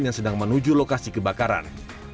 yang sedang menuju lokasi kebakaran